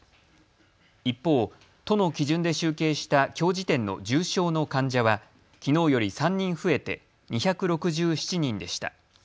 一方、都の基準で集計したきょう時点の重症の患者はきのうより３人増えて２６７人でした。